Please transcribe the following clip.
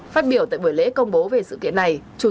phát biểu tại buổi lễ công bố về sự kiện này